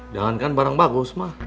jangankan barang bagus mah